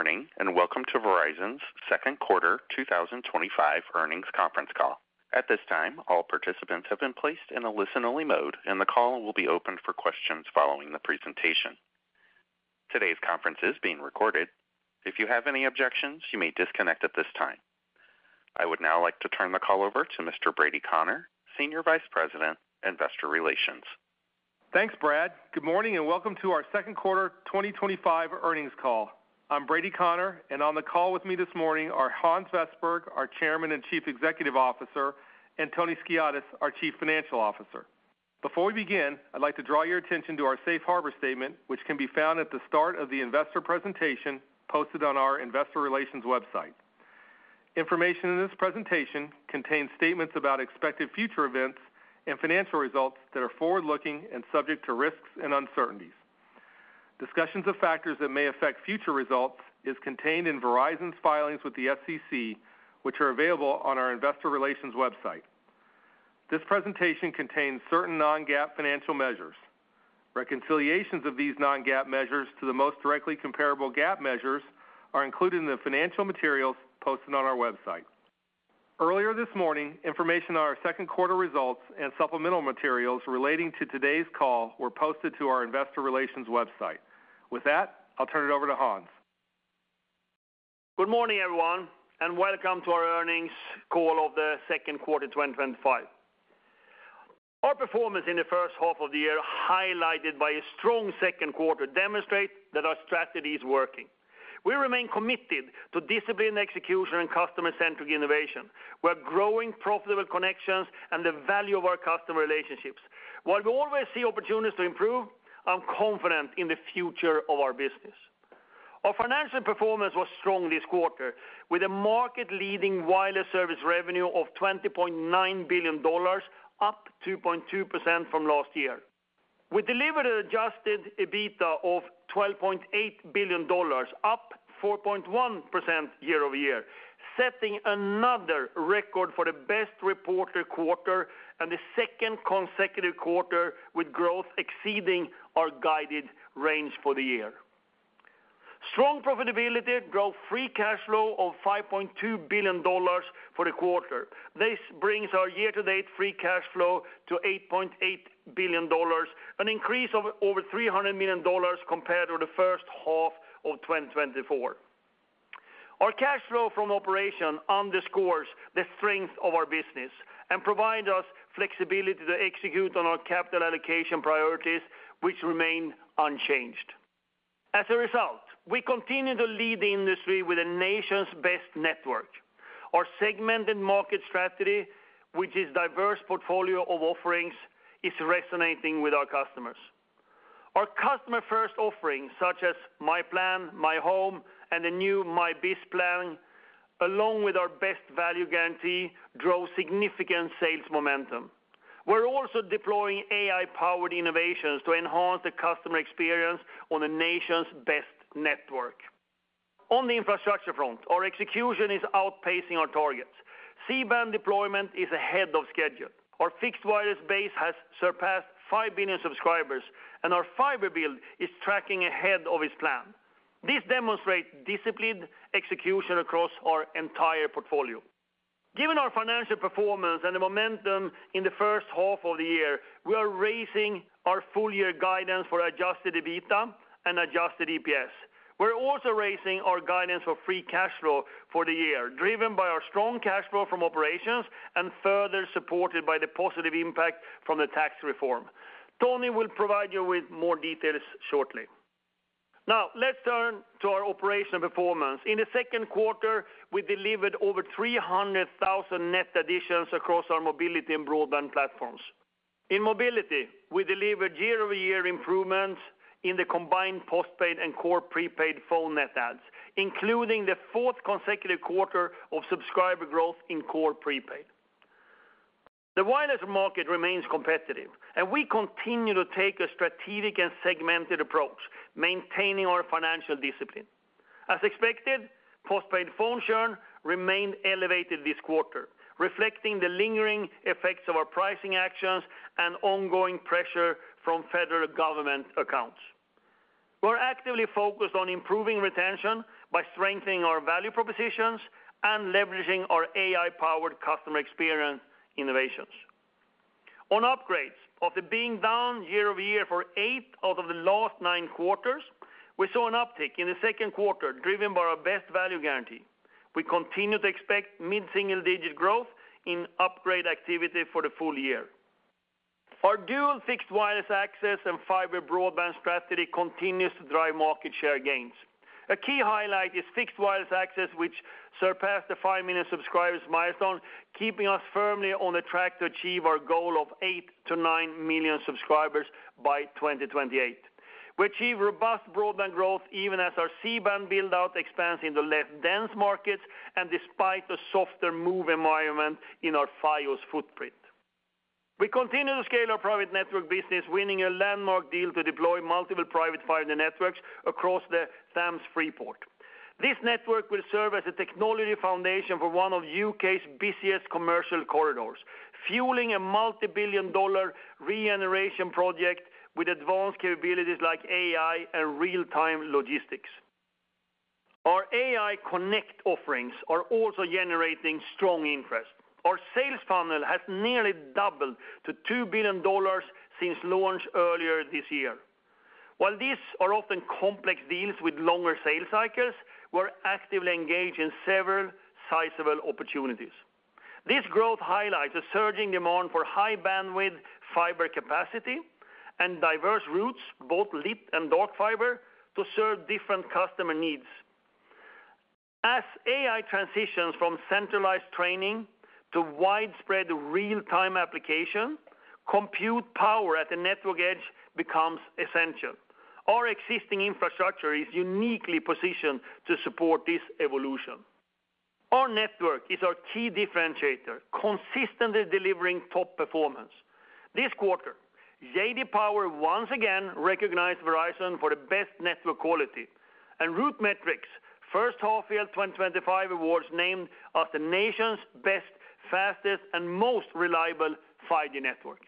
Good morning and welcome to Verizon's second-quarter 2025 earnings conference call. At this time, all participants have been placed in a listen-only mode, and the call will be open for questions following the presentation. Today's conference is being recorded. If you have any objections, you may disconnect at this time. I would now like to turn the call over to Mr. Brady Connor, Senior Vice President, Investor Relations. Thanks, Brad. Good morning and welcome to our second quarter 2025 earnings call. I'm Brady Connor, and on the call with me this morning are Hans Vestberg, our Chairman and Chief Executive Officer, and Tony Skiadas, our Chief Financial Officer. Before we begin, I'd like to draw your attention to our Safe Harbor statement, which can be found at the start of the investor presentation posted on our Investor Relations website. Information in this presentation contains statements about expected future events and financial results that are forward-looking and subject to risks and uncertainties. Discussions of factors that may affect future results are contained in Verizon's filings with the SEC, which are available on our Investor Relations website. This presentation contains certain non-GAAP financial measures. Reconciliations of these non-GAAP measures to the most directly comparable GAAP measures are included in the financial materials posted on our website. Earlier this morning, information on our second quarter results and supplemental materials relating to today's call were posted to our Investor Relations website. With that, I'll turn it over to Hans. Good morning, everyone, and welcome to our earnings call of the second quarter 2025. Our performance in the first half of the year, highlighted by a strong second quarter, demonstrates that our strategy is working. We remain committed to disciplined execution and Customer-Centric innovation. We have growing profitable connections and the value of our customer relationships. While we always see opportunities to improve, I'm confident in the future of our business. Our financial performance was strong this quarter, with a market-leading wireless service revenue of $20.9 billion, up 2.2% from last year. We delivered an Adjusted EBITDA of $12.8 billion, up 4.1% year-over-year, setting another record for the best reported quarter and the second consecutive quarter with growth exceeding our guided range for the year. Strong profitability drove free cash flow of $5.2 billion for the quarter. This brings our year-to-date free cash flow to $8.8 billion, an increase of over $300 million compared to the first half of 2024. Our cash flow from operation underscores the strength of our business and provides us flexibility to execute on our capital allocation priorities, which remain unchanged. As a result, we continue to lead the industry with the nation's best network. Our segmented market strategy, which is a diverse portfolio of offerings, is resonating with our customers. Our customer-first offerings, such as My Plan, My Home, and the new My Biz Plan. Along with our Best Value Guarantee, drove significant sales momentum. We're also deploying AI-powered innovations to enhance the customer experience on the nation's best network. On the infrastructure front, our execution is outpacing our targets. C-band deployment is ahead of schedule. Our fixed wireless base has surpassed 5 million subscribers, and our fiber build is tracking ahead of its plan. This demonstrates disciplined execution across our entire portfolio. Given our financial performance and the momentum in the first half of the year, we are raising our full-year guidance for Adjusted EBITDA and Adjusted EPS. We're also raising our guidance for free cash flow for the year, driven by our strong cash flow from operations and further supported by the positive impact from the tax reform. Tony will provide you with more details shortly. Now, let's turn to our operational performance. In the second quarter, we delivered over 300,000 net additions across our mobility and broadband platforms. In mobility, we delivered year-over-year improvements in the combined postpaid and Core Prepaid phone net adds, including the fourth consecutive quarter of subscriber growth in Core Prepaid. The wireless market remains competitive, and we continue to take a strategic and segmented approach, maintaining our financial discipline. As expected, Postpaid Phone Churn remained elevated this quarter, reflecting the lingering effects of our pricing actions and ongoing pressure from federal government accounts. We're actively focused on improving retention by strengthening our value propositions and leveraging our AI-powered customer experience innovations. On upgrades, after being down year-over-year for eight out of the last nine quarters, we saw an uptick in the second quarter, driven by our Best Value Guarantee. We continue to expect mid single-digit growth in upgrade activity for the full year. Our dual Fixed Wireless Access and fiber broadband strategy continues to drive market share gains. A key highlight is Fixed Wireless Access, which surpassed the 5 million subscribers milestone, keeping us firmly on the track to achieve our goal of 8-9 million subscribers by 2028. We achieved robust broadband growth even as our C-band build-out expands into less dense markets and despite a softer move environment in our Fios footprint. We continue to scale our private network business, winning a landmark deal to deploy multiple private fiber networks across the Thames Freeport. This network will serve as a technology foundation for one of the U.K.'s busiest commercial corridors, fueling a multibillion-dollar regeneration project with advanced capabilities like AI and real-time logistics. Our AI Connect offerings are also generating strong interest. Our sales funnel has nearly doubled to $2 billion since launch earlier this year. While these are often complex deals with longer sales cycles, we're actively engaged in several sizable opportunities. This growth highlights a surging demand for high-bandwidth fiber capacity and diverse routes, both lit and dark fiber, to serve different customer needs. As AI transitions from centralized training to widespread real-time application, compute power at the network edge becomes essential. Our existing infrastructure is uniquely positioned to support this evolution. Our network is our key differentiator, consistently delivering top performance. This quarter, J.D. Power once again recognized Verizon for the best network quality and RootMetrics First Half of the Year 2025 awards named us the nation's best, fastest, and most reliable 5G network.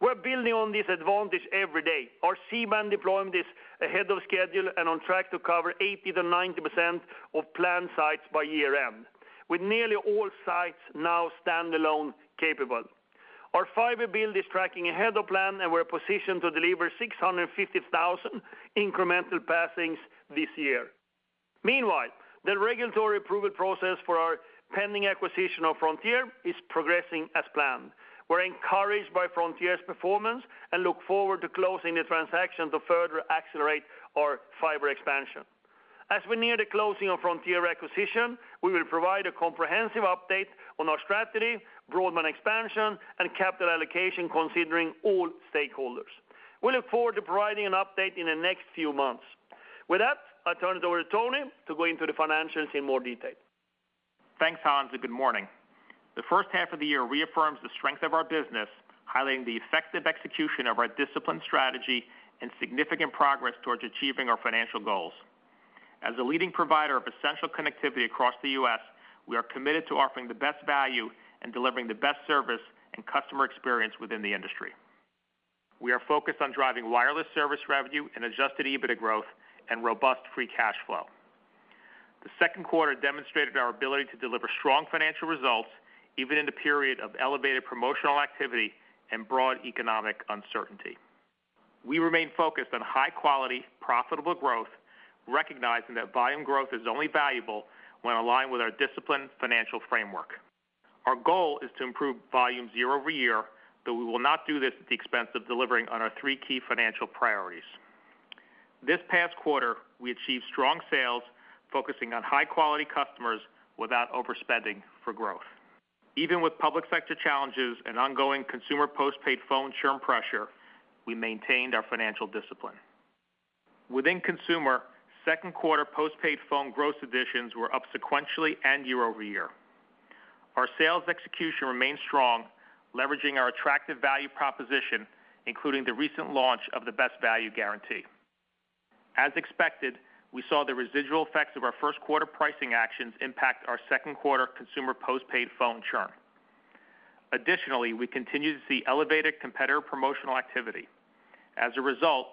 We're building on this advantage every day. Our C-band deployment is ahead of schedule and on track to cover 80-90% of planned sites by year-end, with nearly all sites now standalone capable. Our fiber build is tracking ahead of plan, and we're positioned to deliver 650,000 incremental passings this year. Meanwhile, the regulatory approval process for our pending acquisition of Frontier is progressing as planned. We're encouraged by Frontier's performance and look forward to closing the transaction to further accelerate our fiber expansion. As we near the closing of Frontier acquisition, we will provide a comprehensive update on our strategy, broadband expansion, and capital allocation, considering all stakeholders. We look forward to providing an update in the next few months. With that, I turn it over to Tony to go into the financials in more detail. Thanks, Hans, and good morning. The first half of the year reaffirms the strength of our business, highlighting the effective execution of our disciplined strategy and significant progress towards achieving our financial goals. As a leading provider of essential connectivity across the U.S., we are committed to offering the best value and delivering the best service and customer experience within the industry. We are focused on driving wireless service revenue and Adjusted EBITDA growth and robust free cash flow. The second quarter demonstrated our ability to deliver strong financial results even in a period of elevated promotional activity and broad economic uncertainty. We remain focused on high-quality, profitable growth, recognizing that volume growth is only valuable when aligned with our disciplined financial framework. Our goal is to improve volume year-over-year, though we will not do this at the expense of delivering on our three key financial priorities. This past quarter, we achieved strong sales, focusing on high-quality customers without overspending for growth. Even with Public Sector challenges and ongoing Consumer Postpaid Phone Churn pressure, we maintained our financial discipline. Within Consumer, second-quarter Postpaid Phone gross additions were up sequentially and year-over-year. Our sales execution remained strong, leveraging our attractive value proposition, including the recent launch of the Best Value Guarantee. As expected, we saw the residual effects of our first-quarter pricing actions impact our second-quarter Consumer Postpaid Phone Churn. Additionally, we continue to see elevated competitor promotional activity. As a result,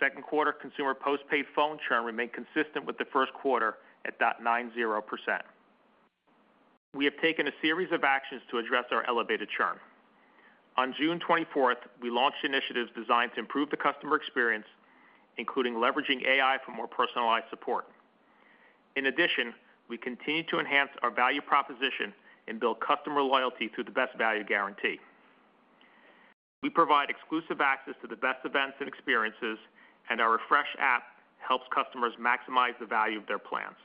second-quarter Consumer Postpaid Phone Churn remained consistent with the first quarter at 0.90%. We have taken a series of actions to address our elevated Churn. On June 24th, we launched initiatives designed to improve the customer experience, including leveraging AI for more personalized support. In addition, we continue to enhance our value proposition and build customer loyalty through the Best Value Guarantee. We provide exclusive access to the best events and experiences, and our Refresh App helps customers maximize the value of their plans.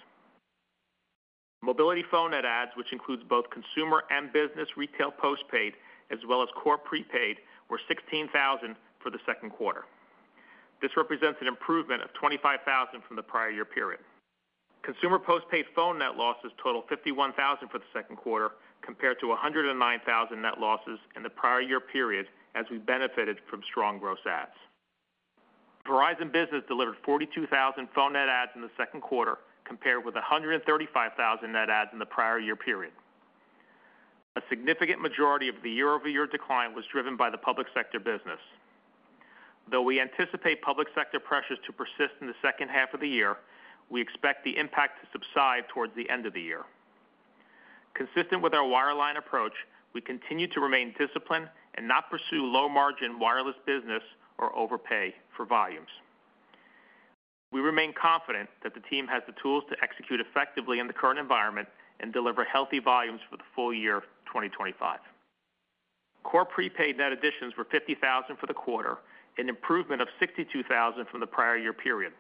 Mobility phone net adds, which includes both Consumer and business retail postpaid, as well as Core Prepaid, were 16,000 for the second quarter. This represents an improvement of 25,000 from the prior year period. Consumer Postpaid Phone net losses totaled 51,000 for the second quarter, compared to 109,000 net losses in the prior year period as we benefited from strong gross adds. Verizon Business delivered 42,000 phone net adds in the second quarter, compared with 135,000 net adds in the prior year period. A significant majority of the year-over-year decline was driven by the public sector business. Though we anticipate public sector pressures to persist in the second half of the year, we expect the impact to subside towards the end of the year. Consistent with our wireline approach, we continue to remain disciplined and not pursue low-margin wireless business or overpay for volumes. We remain confident that the team has the tools to execute effectively in the current environment and deliver healthy volumes for the full year of 2025. Core Prepaid net additions were 50,000 for the quarter, an improvement of 62,000 from the prior year period.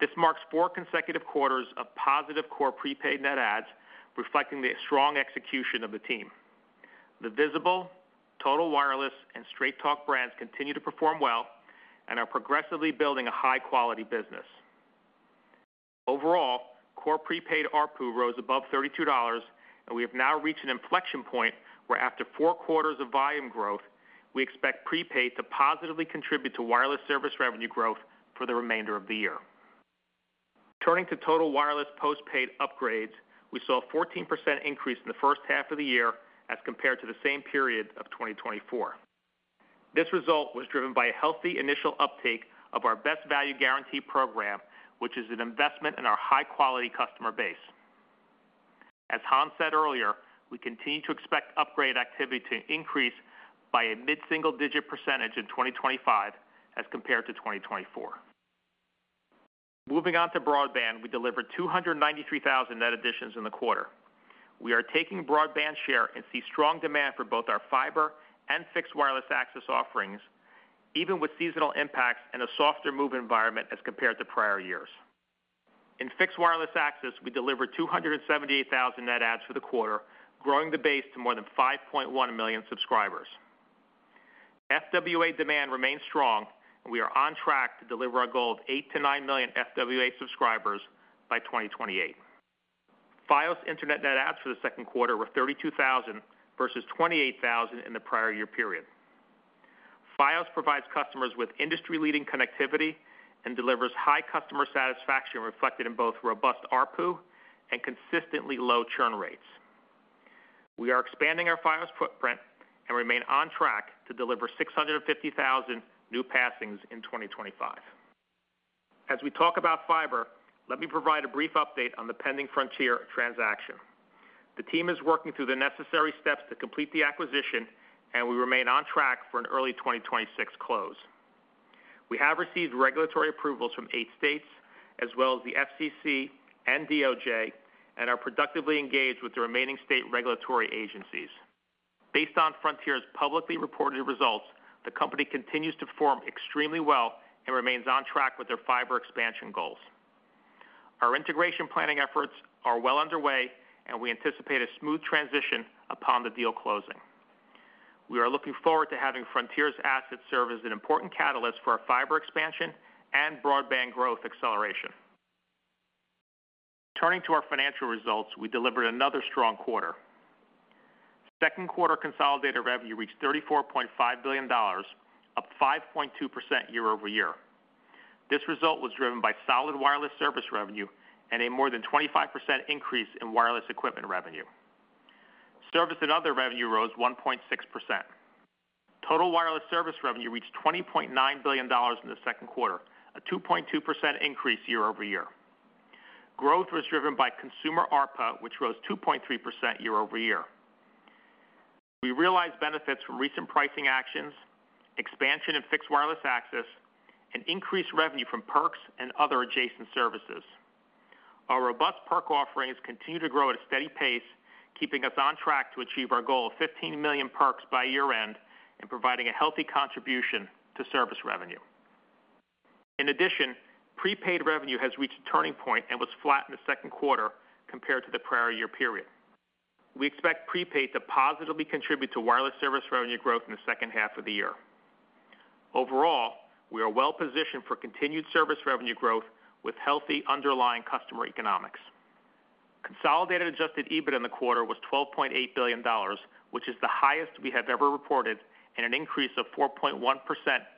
This marks four consecutive quarters of positive Core Prepaid net adds, reflecting the strong execution of the team. The Visible, Total Wireless, and Straight Talk brands continue to perform well and are progressively building a high-quality business. Overall, Core Prepaid ARPU rose above $32, and we have now reached an inflection point where, after four quarters of volume growth, we expect prepaid to positively contribute to wireless service revenue growth for the remainder of the year. Turning to Total Wireless postpaid upgrades, we saw a 14% increase in the first half of the year as compared to the same period of 2024. This result was driven by a healthy initial uptake of our Best Value Guarantee program, which is an investment in our high-quality customer base. As Hans said earlier, we continue to expect upgrade activity to increase by a mid single-digit percentage in 2025 as compared to 2024. Moving on to broadband, we delivered 293,000 net additions in the quarter. We are taking broadband share and see strong demand for both our fiber and Fixed Wireless Access offerings, even with seasonal impacts and a softer move environment as compared to prior years. In Fixed Wireless Access, we delivered 278,000 net adds for the quarter, growing the base to more than 5.1 million subscribers. FWA demand remains strong, and we are on track to deliver our goal of 8-9 million FWA subscribers by 2028. Fios internet net adds for the second quarter were 32,000 versus 28,000 in the prior year period. Fios provides customers with industry-leading connectivity and delivers high customer satisfaction reflected in both robust ARPU and consistently low Churn Rates. We are expanding our Fios footprint and remain on track to deliver 650,000 new passings in 2025. As we talk about fiber, let me provide a brief update on the pending Frontier transaction. The team is working through the necessary steps to complete the acquisition, and we remain on track for an early 2026 close. We have received regulatory approvals from eight states, as well as the FCC and DOJ, and are productively engaged with the remaining state regulatory agencies. Based on Frontier's publicly reported results, the company continues to perform extremely well and remains on track with their fiber expansion goals. Our integration planning efforts are well underway, and we anticipate a smooth transition upon the deal closing. We are looking forward to having Frontier's assets serve as an important catalyst for our fiber expansion and broadband growth acceleration. Turning to our financial results, we delivered another strong quarter. Second-quarter consolidated revenue reached $34.5 billion, up 5.2% year-over-year. This result was driven by solid wireless service revenue and a more than 25% increase in wireless equipment revenue. Service and other revenue rose 1.6%. Total wireless service revenue reached $20.9 billion in the second quarter, a 2.2% increase year-over-year. Growth was driven by Consumer ARPU, which rose 2.3% year-over-year. We realized benefits from recent pricing actions, expansion in Fixed Wireless Access, and increased revenue from Perks and other adjacent services. Our robust perk offerings continue to grow at a steady pace, keeping us on track to achieve our goal of 15 million Perks by year-end and providing a healthy contribution to service revenue. In addition, prepaid revenue has reached a turning point and was flat in the second quarter compared to the prior year period. We expect prepaid to positively contribute to wireless service revenue growth in the second half of the year. Overall, we are well positioned for continued service revenue growth with healthy underlying customer economics. Consolidated Adjusted EBITDA in the quarter was $12.8 billion, which is the highest we have ever reported and an increase of 4.1%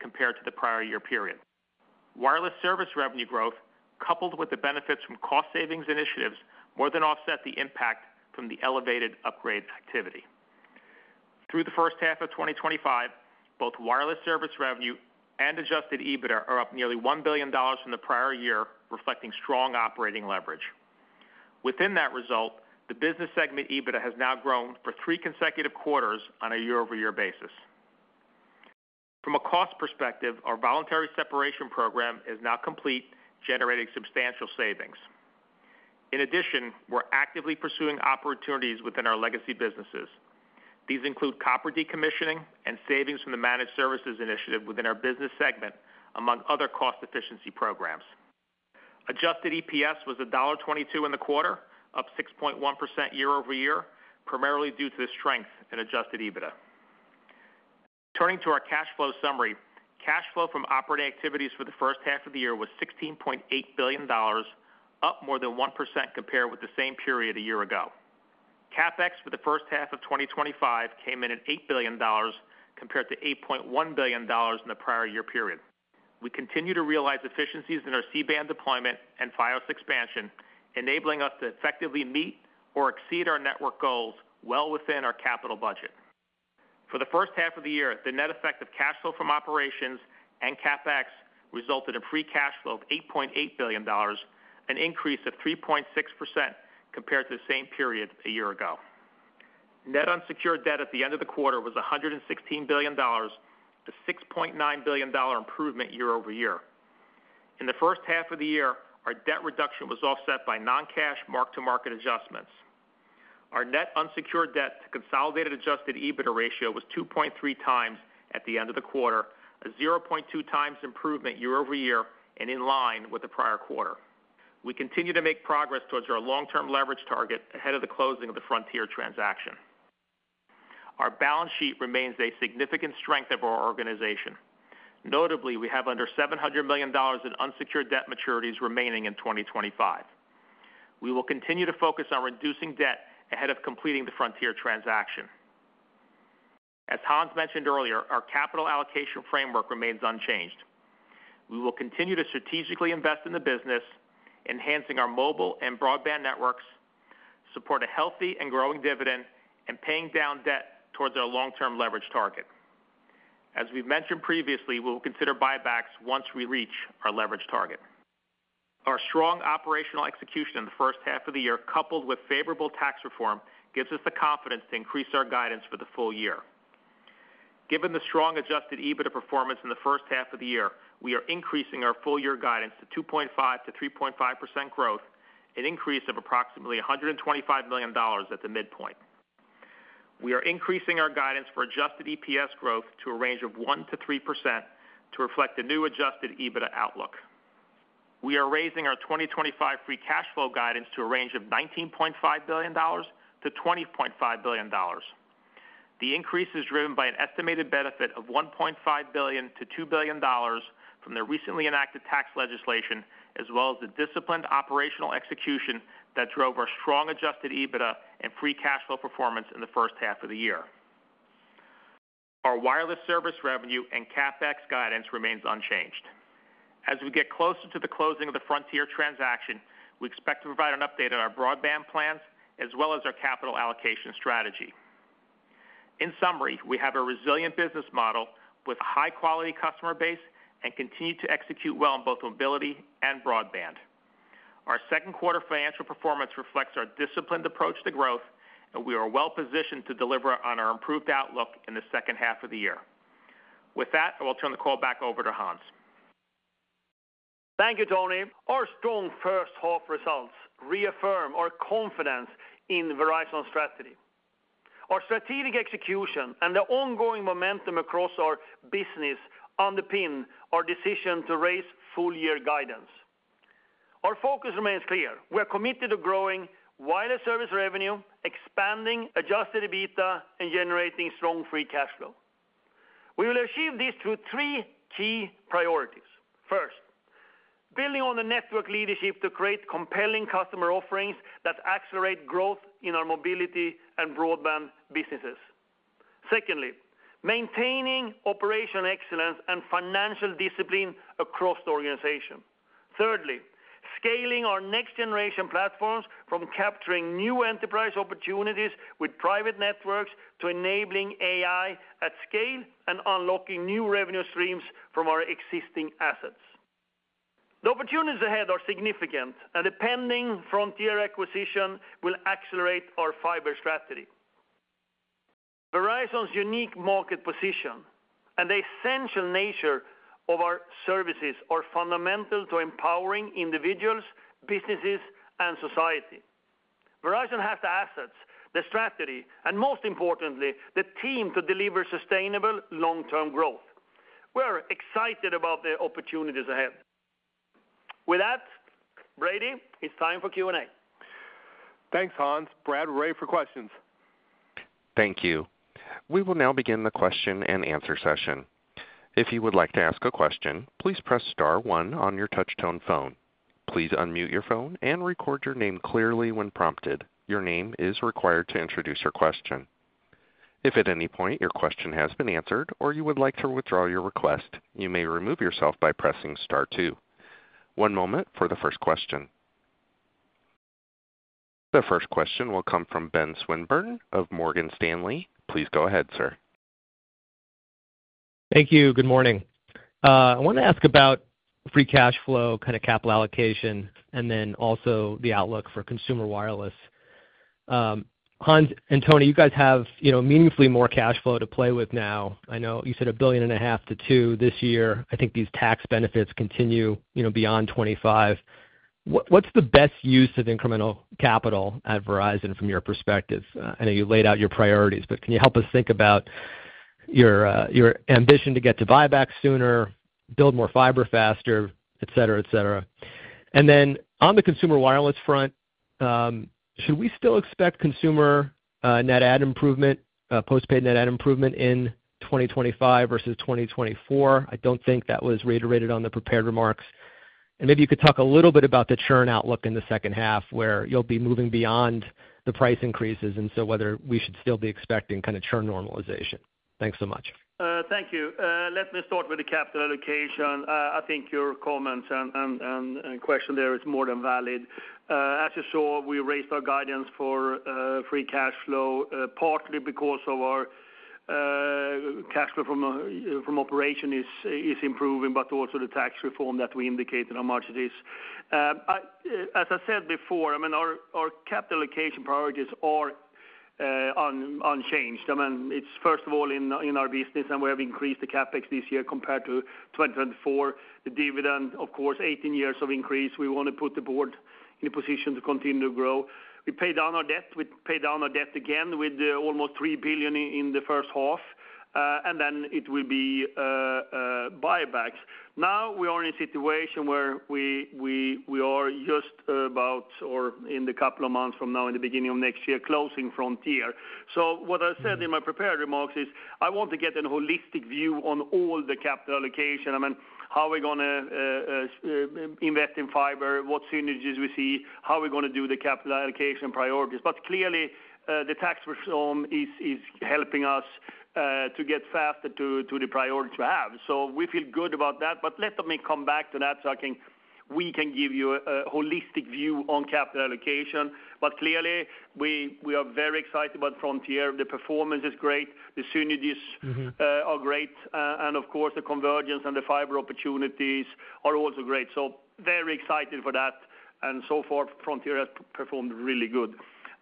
compared to the prior year period. Wireless service revenue growth, coupled with the benefits from cost savings initiatives, more than offset the impact from the elevated upgrade activity. Through the first half of 2025, both wireless service revenue and Adjusted EBITDA are up nearly $1 billion from the prior year, reflecting strong operating leverage. Within that result, the business segment EBITDA has now grown for three consecutive quarters on a year-over-year basis. From a cost perspective, our Voluntary Separation Program is now complete, generating substantial savings. In addition, we are actively pursuing opportunities within our legacy businesses. These include copper decommissioning and savings from the managed services initiative within our business segment, among other cost efficiency programs. Adjusted EPS was $1.22 in the quarter, up 6.1% year-over-year, primarily due to the strength in Adjusted EBITDA. Turning to our cash flow summary, cash flow from operating activities for the first half of the year was $16.8 billion, up more than 1% compared with the same period a year ago. CapEx for the first half of 2025 came in at $8 billion, compared to $8.1 billion in the prior year period. We continue to realize efficiencies in our C-band deployment and Fios expansion, enabling us to effectively meet or exceed our network goals well within our capital budget. For the first half of the year, the net effect of cash flow from operations and CapEx resulted in free cash flow of $8.8 billion, an increase of 3.6% compared to the same period a year ago. Net unsecured debt at the end of the quarter was $116 billion. A $6.9 billion improvement year-over-year. In the first half of the year, our debt reduction was offset by non-cash mark-to-market adjustments. Our net unsecured debt to consolidated Adjusted EBITDA ratio was 2.3 times at the end of the quarter, a 0.2 times improvement year-over-year and in line with the prior quarter. We continue to make progress towards our long-term leverage target ahead of the closing of the Frontier transaction. Our balance sheet remains a significant strength of our organization. Notably, we have under $700 million in unsecured debt maturities remaining in 2025. We will continue to focus on reducing debt ahead of completing the Frontier transaction. As Hans mentioned earlier, our capital allocation framework remains unchanged. We will continue to strategically invest in the business, enhancing our mobile and broadband networks, support a healthy and growing dividend, and paying down debt towards our long-term leverage target. As we've mentioned previously, we will consider buybacks once we reach our leverage target. Our strong operational execution in the first half of the year, coupled with favorable tax reform, gives us the confidence to increase our guidance for the full year. Given the strong Adjusted EBITDA performance in the first half of the year, we are increasing our full-year guidance to 2.5%-3.5% growth, an increase of approximately $125 million at the midpoint. We are increasing our guidance for Adjusted EPS growth to a range of 1%-3% to reflect a new Adjusted EBITDA outlook. We are raising our 2025 free cash flow guidance to a range of $19.5 billion-$20.5 billion. The increase is driven by an estimated benefit of $1.5 billion-$2 billion from the recently enacted tax legislation, as well as the disciplined operational execution that drove our strong Adjusted EBITDA and free cash flow performance in the first half of the year. Our wireless service revenue and CapEx guidance remains unchanged. As we get closer to the closing of the Frontier transaction, we expect to provide an update on our broadband plans as well as our capital allocation strategy. In summary, we have a resilient business model with a high-quality customer base and continue to execute well in both mobility and broadband. Our second quarter financial performance reflects our disciplined approach to growth, and we are well positioned to deliver on our improved outlook in the second half of the year. With that, I will turn the call back over to Hans. Thank you, Tony. Our strong first half results reaffirm our confidence in Verizon's strategy. Our strategic execution and the ongoing momentum across our business underpin our decision to raise full-year guidance. Our focus remains clear. We are committed to growing wireless service revenue, expanding Adjusted EBITDA, and generating strong free cash flow. We will achieve this through three key priorities. First. Building on the network leadership to create compelling customer offerings that accelerate growth in our mobility and broadband businesses. Secondly, maintaining operational excellence and financial discipline across the organization. Thirdly, scaling our next-generation platforms from capturing new enterprise opportunities with private networks to enabling AI at scale and unlocking new revenue streams from our existing assets. The opportunities ahead are significant, and the pending Frontier acquisition will accelerate our fiber strategy. Verizon's unique market position and the essential nature of our services are fundamental to empowering individuals, businesses, and society. Verizon has the assets, the strategy, and most importantly, the team to deliver sustainable long-term growth. We're excited about the opportunities ahead. With that, Brady, it's time for Q&A. Thanks, Hans. Brad, we're ready for questions. Thank you. We will now begin the question and answer session. If you would like to ask a question, please press star one on your touch-tone phone. Please unmute your phone and record your name clearly when prompted. Your name is required to introduce your question. If at any point your question has been answered or you would like to withdraw your request, you may remove yourself by pressing star two. One moment for the first question. The first question will come from Ben Swinburne of Morgan Stanley. Please go ahead, sir. Thank you. Good morning. I want to ask about free cash flow, kind of capital allocation, and then also the outlook for Consumer wireless. Hans and Tony, you guys have meaningfully more cash flow to play with now. I know you said a billion and a half to two this year. I think these tax benefits continue beyond 2025. What's the best use of incremental capital at Verizon from your perspective? I know you laid out your priorities, but can you help us think about your ambition to get to buyback sooner, build more fiber faster, etc., etc.? And then on the Consumer wireless front. Should we still expect Consumer net add improvement, postpaid net add improvement in 2025 versus 2024? I don't think that was reiterated on the prepared remarks. And maybe you could talk a little bit about the Churn outlook in the second half, where you'll be moving beyond the price increases and so whether we should still be expecting kind of Churn normalization. Thanks so much. Thank you. Let me start with the capital allocation. I think your comments and question there is more than valid. As you saw, we raised our guidance for free cash flow partly because our cash flow from operation is improving, but also the tax reform that we indicated how much it is. As I said before, I mean, our capital allocation priorities are unchanged. I mean, it's first of all in our business, and we have increased the CapEx this year compared to 2024. The dividend, of course, 18 years of increase. We want to put the board in a position to continue to grow. We paid down our debt. We paid down our debt again with almost $3 billion in the first half, and then it will be buybacks. Now we are in a situation where we are just about, or in the couple of months from now, in the beginning of next year, closing Frontier. What I said in my prepared remarks is I want to get a holistic view on all the capital allocation. I mean, how are we going to invest in fiber, what synergies we see, how are we going to do the capital allocation priorities? Clearly, the tax reform is helping us to get faster to the priorities we have. We feel good about that. Let me come back to that so we can give you a holistic view on capital allocation. Clearly, we are very excited about Frontier. The performance is great. The synergies are great. Of course, the convergence and the fiber opportunities are also great. Very excited for that. So far, Frontier has performed really good.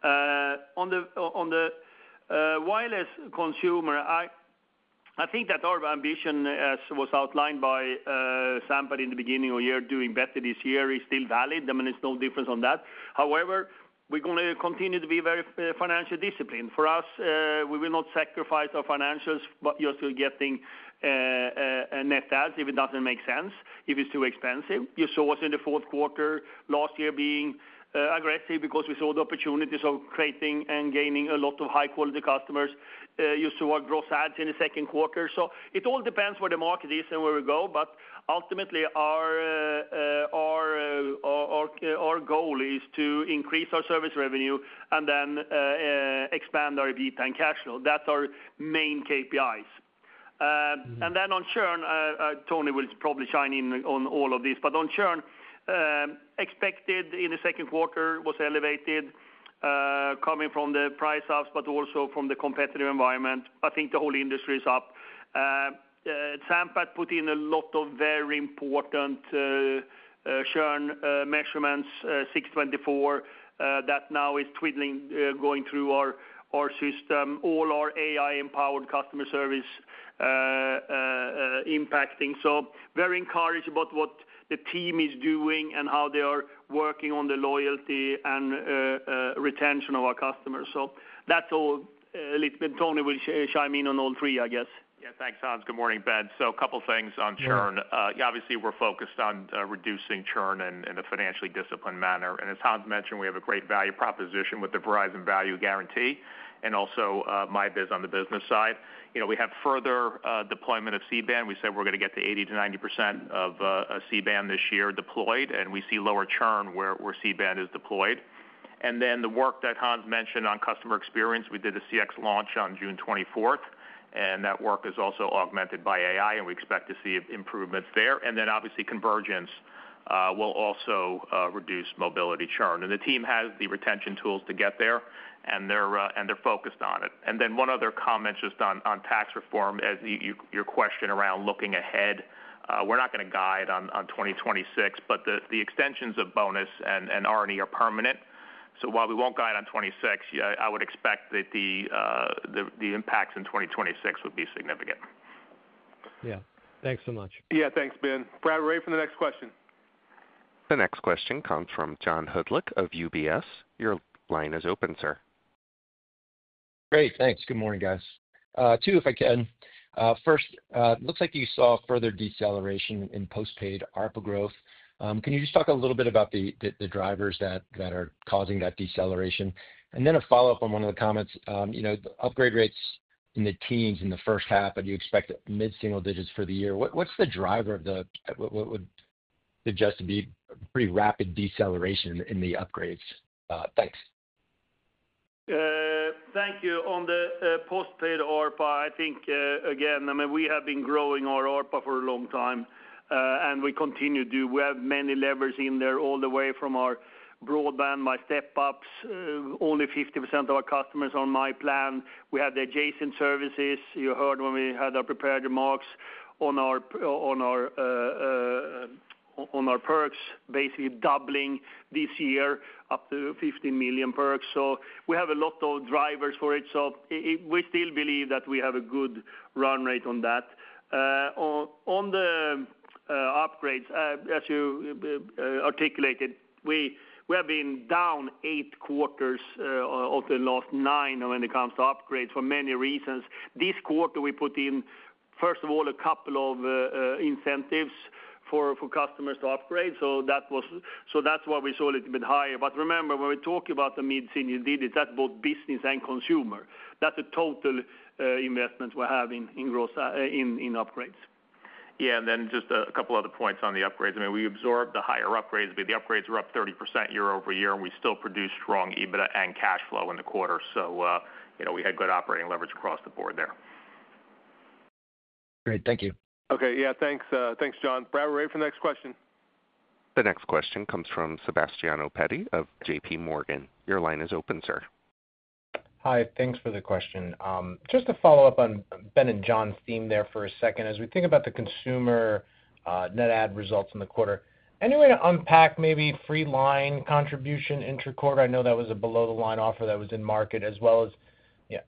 On the wireless Consumer, I think that our ambition, as was outlined by Sampath in the beginning of the year, doing better this year is still valid. I mean, there's no difference on that. However, we're going to continue to be very financially disciplined. For us, we will not sacrifice our financials just to getting net adds if it doesn't make sense, if it's too expensive. You saw us in the fourth quarter last year being aggressive because we saw the opportunities of creating and gaining a lot of high-quality customers. You saw our gross adds in the second quarter. It all depends where the market is and where we go. Ultimately, our goal is to increase our service revenue and then expand our EBITDA and cash flow. That's our main KPIs. On Churn, Tony will probably shine in on all of this. On Churn, expected in the second quarter was elevated, coming from the price ups, but also from the competitive environment. I think the whole industry is up. Sampath put in a lot of very important Churn measurements, 624, that now is going through our system. All our AI-empowered customer service impacting. Very encouraged about what the team is doing and how they are working on the loyalty and retention of our customers. That's all a little bit. Tony will shine in on all three, I guess. Yeah. Thanks, Hans. Good morning, Ben. A couple of things on Churn. Obviously, we're focused on reducing Churn in a financially disciplined manner. As Hans mentioned, we have a great value proposition with the Verizon value guarantee and also My Biz on the business side. We have further deployment of C-band. We said we're going to get to 80%-90% of C-band this year deployed. We see lower Churn where C-band is deployed. The work that Hans mentioned on customer experience, we did a CX launch on June 24. That work is also augmented by AI. We expect to see improvements there. Obviously, convergence will also reduce mobility Churn. The team has the retention tools to get there, and they're focused on it. One other comment just on tax reform, as your question around looking ahead. We're not going to guide on 2026, but the extensions of bonus and R&E are permanent. While we won't guide on 2026, I would expect that the impacts in 2026 would be significant. Yeah. Thanks so much. Yeah. Thanks, Ben. Brad ready for the next question. The next question comes from John Hudlick of UBS. Your line is open, sir. Great. Thanks. Good morning, guys. Two, if I can. First, it looks like you saw further deceleration in postpaid ARPU growth. Can you just talk a little bit about the drivers that are causing that deceleration? And then a follow-up on one of the comments. The upgrade rates in the teens in the first half, and you expect mid single-digits for the year. What's the driver of the, what would suggest to be a pretty rapid deceleration in the upgrades? Thanks. Thank you. On the postpaid ARPU, I think, again, I mean, we have been growing our ARPU for a long time, and we continue to do. We have many levers in there, all the way from our broadband, my step-ups. Only 50% of our customers are on My Plan. We have the adjacent services. You heard when we had our prepared remarks on our Perks, basically doubling this year up to 15 million Perks. We have a lot of drivers for it. We still believe that we have a good run rate on that. On the upgrades, as you articulated, we have been down eight quarters of the last nine when it comes to upgrades for many reasons. This quarter, we put in, first of all, a couple of incentives for customers to upgrade. That's why we saw a little bit higher. Remember, when we're talking about the mid single-digits, that's both business and Consumer. That's the total investment we have in upgrades. Yeah. And then just a couple of other points on the upgrades. I mean, we absorbed the higher upgrades. The upgrades were up 30% year over year, and we still produced strong EBITDA and cash flow in the quarter. We had good operating leverage across the board there. Great. Thank you. Okay. Yeah. Thanks, John. Brad ready for the next question. The next question comes from Sebastiano Petti of J.P. Morgan. Your line is open, sir. Hi. Thanks for the question. Just to follow up on Ben and John's theme there for a second, as we think about the Consumer net add results in the quarter, any way to unpack maybe free line contribution intra quarter? I know that was a below-the-line offer that was in market, as well as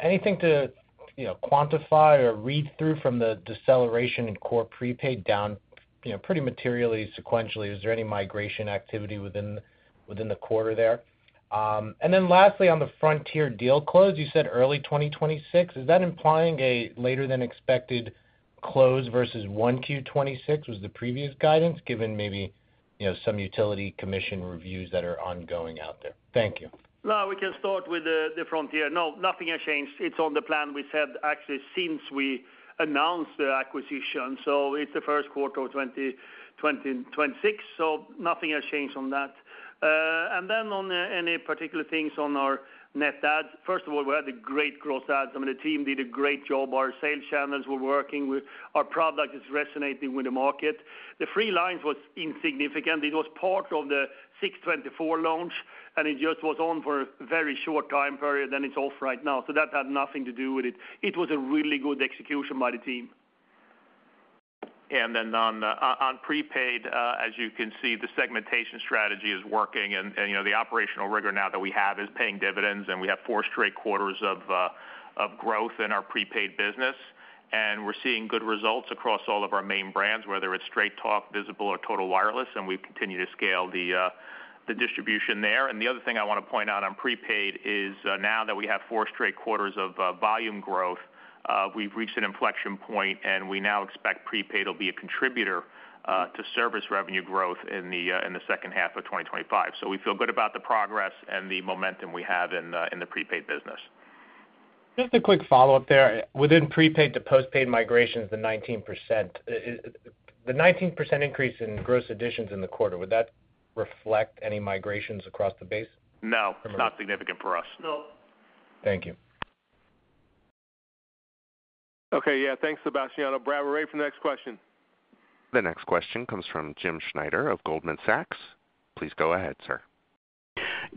anything to quantify or read through from the deceleration in Core Prepaid down pretty materially sequentially. Is there any migration activity within the quarter there? And then lastly, on the Frontier deal close, you said early 2026. Is that implying a later-than-expected close versus 1Q 2026? Was the previous guidance given maybe some utility commission reviews that are ongoing out there? Thank you. No, we can start with the Frontier. No, nothing has changed. It's on the plan we said actually since we announced the acquisition. It's the first quarter of 2026. Nothing has changed on that. On any particular things on our net adds, first of all, we had a great gross add. I mean, the team did a great job. Our sales channels were working. Our product is resonating with the market. The free lines were insignificant. It was part of the 624 launch, and it just was on for a very short time period, and it's off right now. That had nothing to do with it. It was a really good execution by the team. On prepaid, as you can see, the segmentation strategy is working. The operational rigor now that we have is paying dividends, and we have four straight quarters of growth in our prepaid business. We're seeing good results across all of our main brands, whether it's Straight Talk, Visible, or Total Wireless, and we continue to scale the distribution there. The other thing I want to point out on prepaid is now that we have four straight quarters of volume growth, we've reached an inflection point, and we now expect prepaid will be a contributor to service revenue growth in the second half of 2025. We feel good about the progress and the momentum we have in the prepaid business. Just a quick follow-up there. Within prepaid to postpaid migrations, the 19% increase in gross additions in the quarter, would that reflect any migrations across the base? No. Not significant for us. No. Thank you. Okay. Yeah. Thanks, Sebastiano. Brad ready for the next question. The next question comes from Jim Schneider of Goldman Sachs. Please go ahead, sir.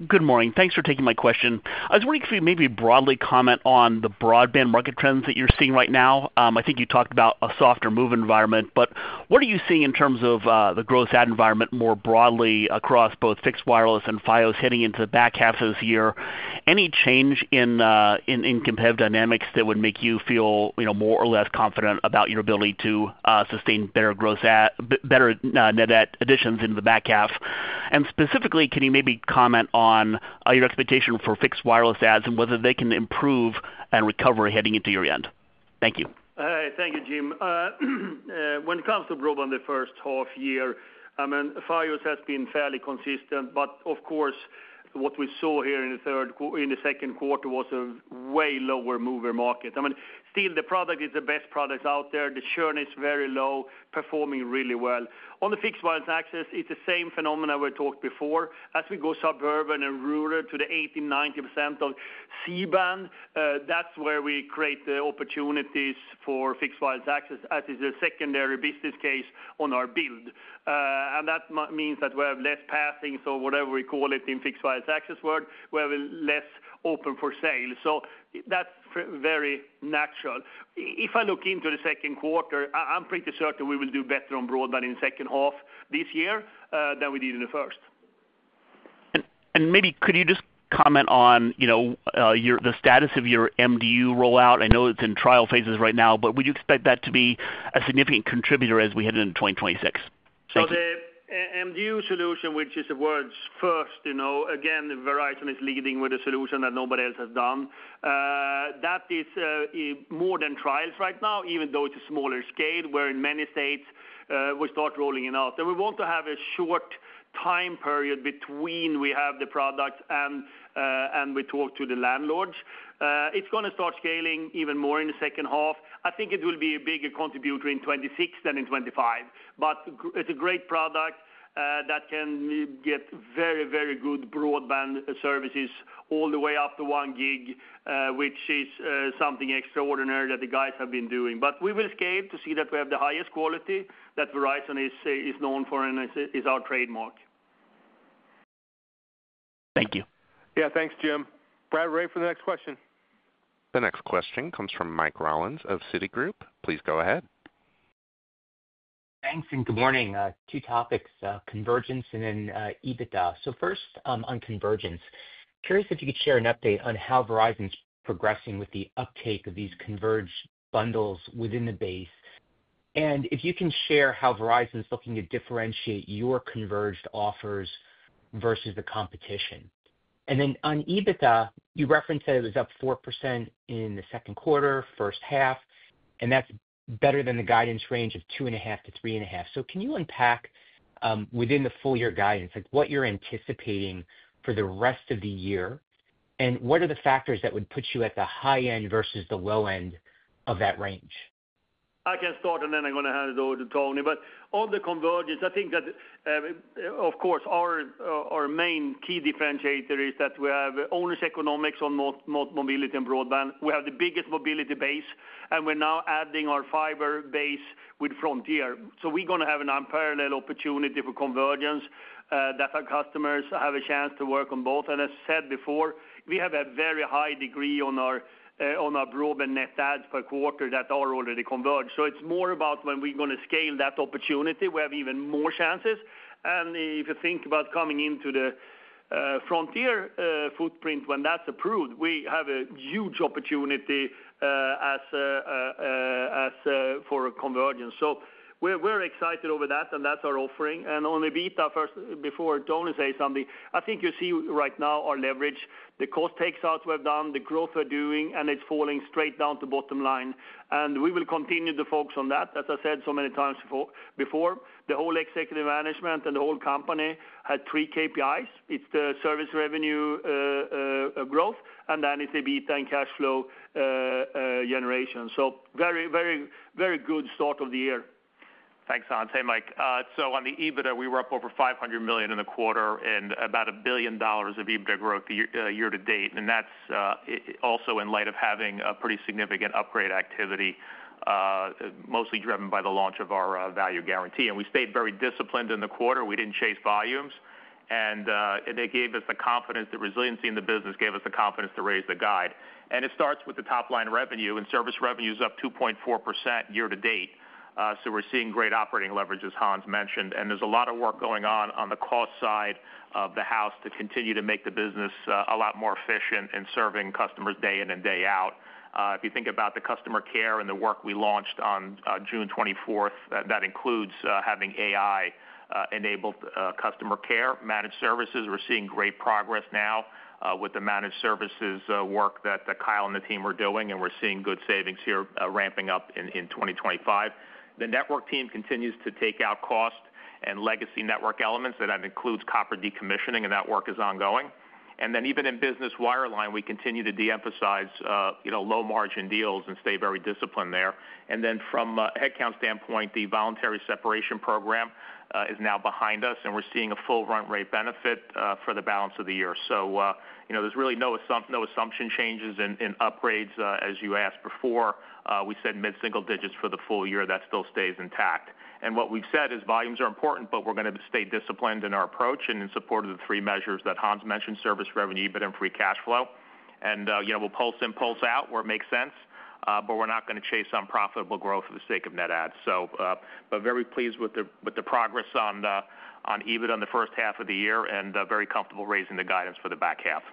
Good morning. Thanks for taking my question. I was wondering if you could maybe broadly comment on the broadband market trends that you're seeing right now. I think you talked about a softer move environment, but what are you seeing in terms of the gross add environment more broadly across both fixed wireless and Fios heading into the back half of this year? Any change in competitive dynamics that would make you feel more or less confident about your ability to sustain better net add additions into the back half? Specifically, can you maybe comment on your expectation for fixed wireless adds and whether they can improve and recover heading into year-end? Thank you. Thank you, Jim. When it comes to growth in the first half year, Fios has been fairly consistent. Of course, what we saw here in the second quarter was a way lower mover market. Still, the product is the best product out there. The Churn is very low, performing really well. On the Fixed Wireless Access, it's the same phenomenon we talked before. As we go suburban and rural to the 80%-90% of C-band, that's where we create the opportunities for Fixed Wireless Access, as it's a secondary business case on our build. That means that we have less passing. Whatever we call it in Fixed Wireless Access world, we have less open for sale. That is very natural. If I look into the second quarter, I am pretty certain we will do better on broadband in the second half this year than we did in the first. Maybe could you just comment on the status of your MDU rollout? I know it is in trial phases right now, but would you expect that to be a significant contributor as we head into 2026? The MDU solution, which is a world's first, again, Verizon is leading with a solution that nobody else has done. That is more than trials right now, even though it is a smaller scale where in many states we start rolling it out. We want to have a short time period between when we have the product and we talk to the landlords. It is going to start scaling even more in the second half. I think it will be a bigger contributor in 2026 than in 2025. It is a great product that can get very, very good broadband services all the way up to 1 gig, which is something extraordinary that the guys have been doing. We will scale to see that we have the highest quality that Verizon is known for and is our trademark. Thank you. Yeah. Thanks, Jim. Brad ready for the next question. The next question comes from Mike Rollins of Citigroup. Please go ahead. Thanks. Good morning. Two topics, convergence and then EBITDA. First on convergence, curious if you could share an update on how Verizon's progressing with the uptake of these converged bundles within the base. If you can share how Verizon's looking to differentiate your converged offers versus the competition. Then on EBITDA, you referenced that it was up 4% in the second quarter, first half, and that is better than the guidance range of 2.5%-3.5%. Can you unpack within the full-year guidance what you are anticipating for the rest of the year, and what are the factors that would put you at the high end versus the low end of that range? I can start, and then I am going to hand it over to Tony. On the convergence, I think that of course our main key differentiator is that we have owners' economics on mobility and broadband. We have the biggest mobility base, and we are now adding our fiber base with Frontier. We are going to have an unparalleled opportunity for convergence that our customers have a chance to work on both. As I said before, we have a very high degree on our broadband net adds per quarter that are already converged. It is more about when we are going to scale that opportunity, we have even more chances. If you think about coming into the Frontier footprint when that is approved, we have a huge opportunity for convergence. We're excited over that, and that's our offering. On the EBITDA, before Tony says something, I think you see right now our leverage, the cost takeouts we've done, the growth we're doing, and it's falling straight down to bottom line. We will continue to focus on that. As I said so many times before, the whole executive management and the whole company had three KPIs. It's the service revenue growth, and then it's EBITDA and cash flow generation. Very good start of the year. Thanks, Hans. Hey, Mike. On the EBITDA, we were up over $500 million in the quarter and about $1 billion of EBITDA growth year to date. That's also in light of having a pretty significant upgrade activity, mostly driven by the launch of our Best Value Guarantee. We stayed very disciplined in the quarter. We didn't chase volumes, and it gave us the confidence. The resiliency in the business gave us the confidence to raise the guide. It starts with the top-line revenue, and service revenue is up 2.4% year to date. We're seeing great operating leverage, as Hans mentioned. There's a lot of work going on on the cost side of the house to continue to make the business a lot more efficient in serving customers day in and day out. If you think about the customer care and the work we launched on June 24th, that includes having AI-enabled customer care, managed services. We're seeing great progress now with the managed services work that Kyle and the team were doing, and we're seeing good savings here ramping up in 2025. The network team continues to take out cost and legacy network elements. That includes Copper Decommissioning, and that work is ongoing. Even in business wireline, we continue to de-emphasize low-margin deals and stay very disciplined there. From a headcount standpoint, the Voluntary Separation Program is now behind us, and we're seeing a full run rate benefit for the balance of the year. There's really no assumption changes in upgrades. As you asked before, we said mid single-digits for the full year. That still stays intact. What we've said is volumes are important, but we're going to stay disciplined in our approach and in support of the three measures that Hans mentioned: service revenue, EBITDA, and free cash flow. We'll pulse in, pulse out where it makes sense, but we're not going to chase unprofitable growth for the sake of net adds. Very pleased with the progress on EBITDA in the first half of the year and very comfortable raising the guidance for the back half.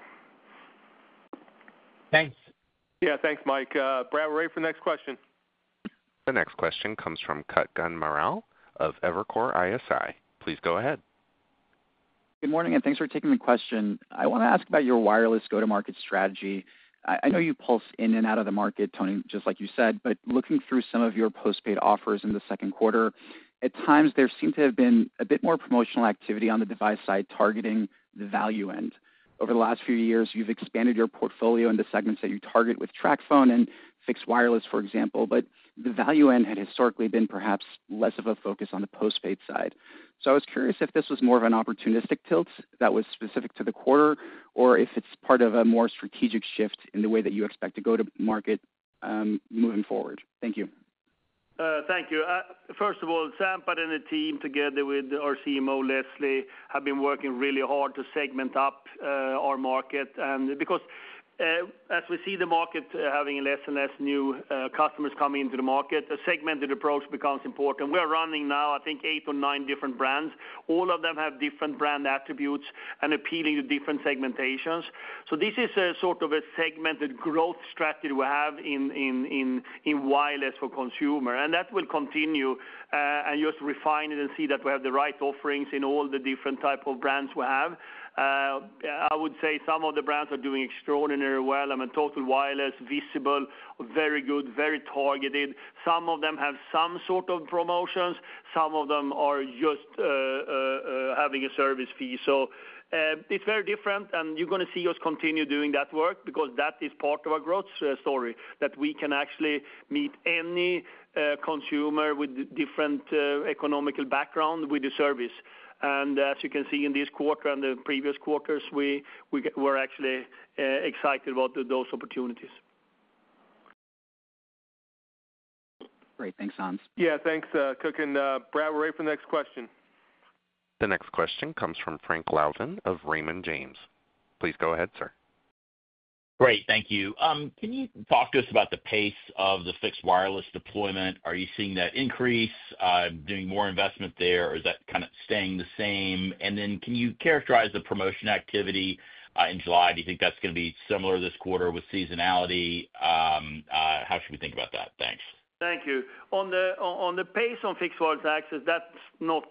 Thanks. Yeah. Thanks, Mike. Brad ready for the next question. The next question comes from Kutgun Maral of Evercore ISI. Please go ahead. Good morning, and thanks for taking the question. I want to ask about your wireless go-to-market strategy. I know you pulse in and out of the market, Tony, just like you said, but looking through some of your postpaid offers in the second quarter, at times there seemed to have been a bit more promotional activity on the device side targeting the value end. Over the last few years, you've expanded your portfolio in the segments that you target with Tracfone and fixed wireless, for example, but the value end had historically been perhaps less of a focus on the postpaid side. I was curious if this was more of an opportunistic tilt that was specific to the quarter or if it's part of a more strategic shift in the way that you expect to go to market moving forward. Thank you. Thank you. First of all, Sampath, the team together with our CMO, Leslie, have been working really hard to segment up our market. As we see the market having less and less new customers coming into the market, a segmented approach becomes important. We're running now, I think, eight or nine different brands. All of them have different brand attributes and appealing to different segmentations. This is sort of a segmented growth strategy we have in wireless for Consumer, and that will continue and just refine it and see that we have the right offerings in all the different types of brands we have. I would say some of the brands are doing extraordinarily well. I mean, Total Wireless, Visible, very good, very targeted. Some of them have some sort of promotions. Some of them are just having a service fee. It's very different, and you're going to see us continue doing that work because that is part of our growth story that we can actually meet any Consumer with different economical background with the service. As you can see in this quarter and the previous quarters, we were actually excited about those opportunities. Great. Thanks, Hans. Yeah. Thanks, Kutgun. Brad, we're ready for the next question. The next question comes from Frank Louthan of Raymond James. Please go ahead, sir. Great. Thank you. Can you talk to us about the pace of the fixed wireless deployment? Are you seeing that increase, doing more investment there, or is that kind of staying the same? Can you characterize the promotion activity in July? Do you think that's going to be similar this quarter with seasonality? How should we think about that? Thanks. Thank you. On the pace on Fixed Wireless Access, that's not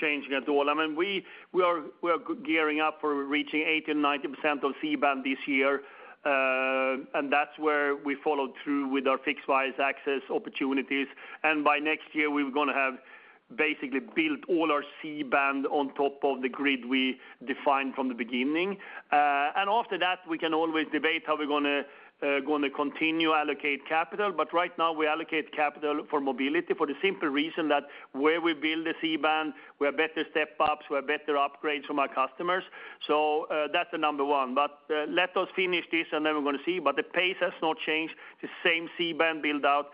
changing at all. We are gearing up for reaching 80% and 90% of C-band this year. That's where we followed through with our Fixed Wireless Access opportunities. By next year, we're going to have basically built all our C-band on top of the grid we defined from the beginning. After that, we can always debate how we're going to continue to allocate capital. But right now, we allocate capital for mobility for the simple reason that where we build the C-band, we have better step-ups, we have better upgrades from our customers. That is the number one. Let us finish this, and then we are going to see. The pace has not changed. The same C-band build-out.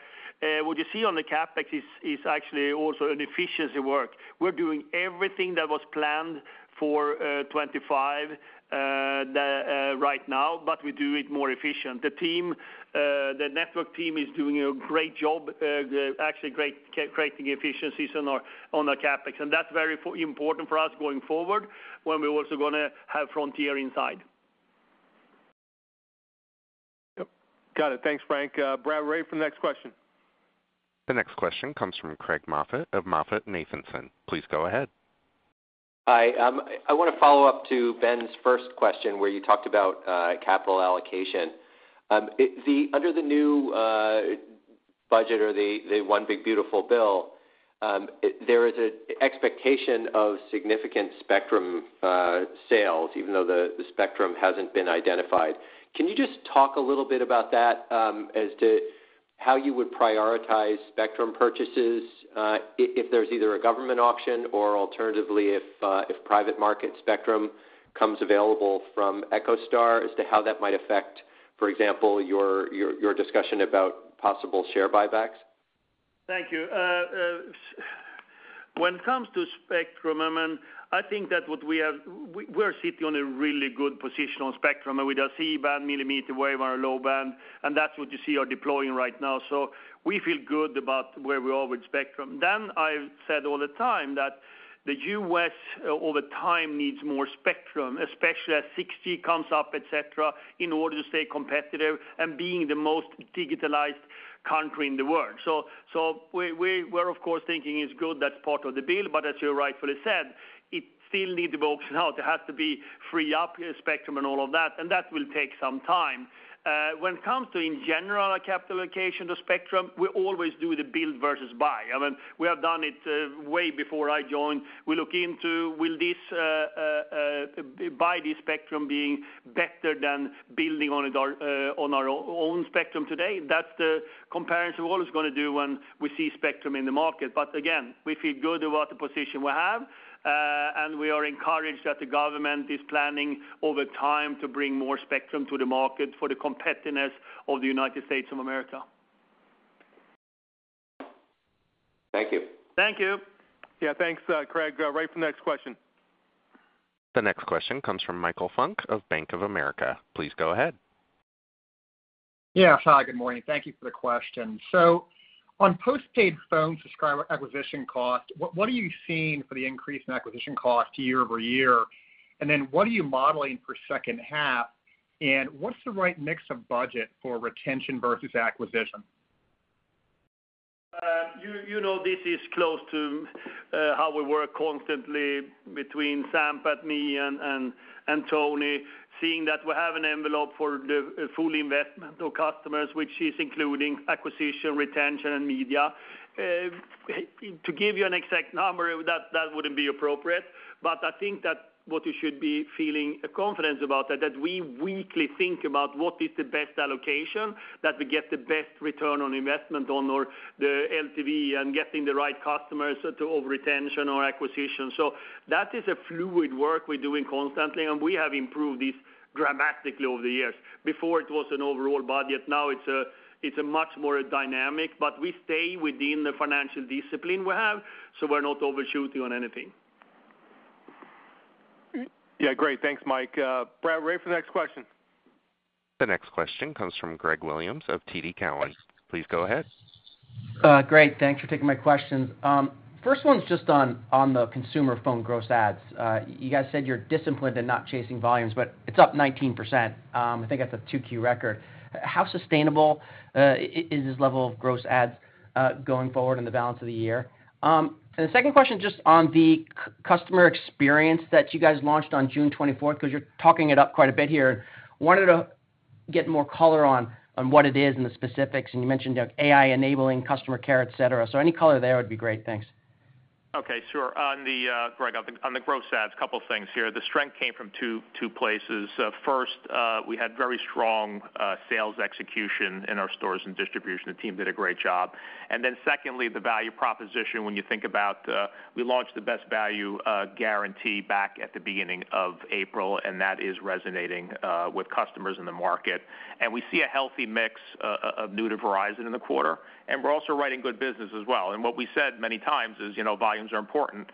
What you see on the CapEx is actually also an efficiency work. We are doing everything that was planned for 2025 right now, but we do it more efficiently. The network team is doing a great job, actually creating efficiencies on our CapEx. That is very important for us going forward when we are also going to have Frontier inside. Yep. Got it. Thanks, Frank. Brad ready for the next question. The next question comes from Craig Moffett of MoffettNathanson. Please go ahead. Hi. I want to follow up to Ben's first question where you talked about capital allocation. Under the new budget or the One Big Beautiful bill, there is an expectation of significant spectrum sales, even though the spectrum has not been identified. Can you just talk a little bit about that, as to how you would prioritize spectrum purchases if there is either a government auction or alternatively if private market spectrum comes available from EchoStar, as to how that might affect, for example, your discussion about possible share buybacks? Thank you. When it comes to spectrum, I mean, I think that we are sitting on a really good position on spectrum. With our C-band, Millimeter Wave, and our low band, that is what you see our deploying right now. We feel good about where we are with spectrum. I have said all the time that the U.S. over time needs more spectrum, especially as 6G comes up, etc., in order to stay competitive and be the most digitalized country in the world. We are, of course, thinking it is good. That is part of the bill. As you rightfully said, it still needs to be auctioned out. It has to be free up spectrum and all of that, and that will take some time. When it comes to, in general, our capital allocation to spectrum, we always do the build versus buy. We have done it way before I joined. We look into, will this buy, this spectrum, be better than building on our own spectrum today? That is the comparison we are always going to do when we see spectrum in the market. Again, we feel good about the position we have, and we are encouraged that the government is planning over time to bring more spectrum to the market for the competitiveness of the United States of America. Thank you. Thank you. Yeah. Thanks, Craig. Ready for the next question. The next question comes from Michael Funk of Bank of America. Please go ahead. Yeah. Hi. Good morning. Thank you for the question. On Postpaid Phone subscriber acquisition cost, what are you seeing for the increase in acquisition cost year-over-year? And then what are you modeling for second half? What's the right mix of budget for retention versus acquisition? This is close to how we work constantly between Sampath, me, and Tony, seeing that we have an envelope for the full investment of customers, which is including acquisition, retention, and media. To give you an exact number, that would not be appropriate. I think that what you should be feeling confident about is that we weekly think about what is the best allocation that we get the best return on investment on the LTV and getting the right customers to over retention or acquisition. That is a fluid work we are doing constantly, and we have improved this dramatically over the years. Before, it was an overall budget. Now it is much more dynamic, but we stay within the financial discipline we have, so we are not overshooting on anything. Yeah. Great. Thanks, Mike. Brad ready for the next question. The next question comes from Greg Williams of TD Cowen. Please go ahead. Great. Thanks for taking my questions. First one's just on the Consumer phone gross ads. You guys said you are disciplined and not chasing volumes, but it is up 19%. I think that is a 2Q record. How sustainable is this level of gross ads going forward in the balance of the year? The second question is just on the customer experience that you guys launched on June 24, because you are talking it up quite a bit here, and wanted to get more color on what it is and the specifics. You mentioned AI-enabling customer care, etc. Any color there would be great. Thanks. Okay. Sure. Greg, on the gross ads, a couple of things here. The strength came from two places. First, we had very strong sales execution in our stores and distribution. The team did a great job. Secondly, the value proposition, when you think about we launched the Best Value Guarantee back at the beginning of April, and that is resonating with customers in the market. We see a healthy mix of new to Verizon in the quarter, and we are also writing good business as well. What we said many times is volumes are important,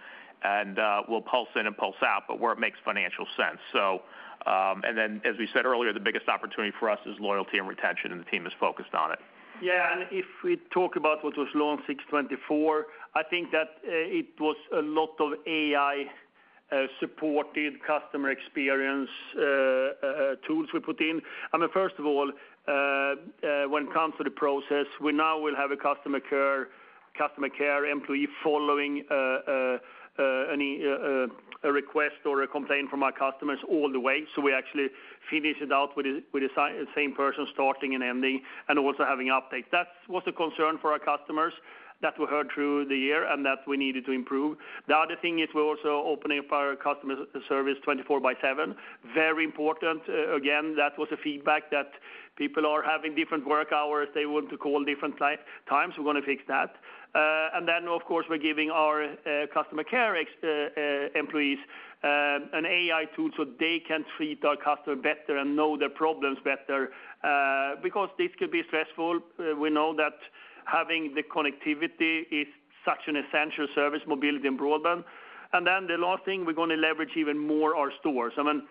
and we will pulse in and pulse out, but where it makes financial sense. As we said earlier, the biggest opportunity for us is loyalty and retention, and the team is focused on it. Yeah. If we talk about what was launched June 24, I think that it was a lot of AI-supported customer experience tools we put in. I mean, first of all, when it comes to the process, we now will have a customer care employee following a request or a complaint from our customers all the way. So we actually finish it out with the same person starting and ending and also having updates. That was a concern for our customers that we heard through the year and that we needed to improve. The other thing is we're also opening up our customer service 24 by 7. Very important. Again, that was a feedback that people are having different work hours. They want to call different times. We're going to fix that. Of course, we're giving our customer care employees an AI tool so they can treat our customer better and know their problems better. Because this could be stressful. We know that having the connectivity is such an essential service, mobility, and broadband. The last thing, we're going to leverage even more our stores. I mean,